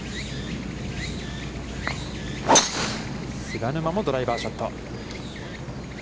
菅沼もドライバーショット。